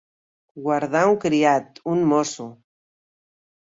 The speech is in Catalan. Guardar un criat, un mosso.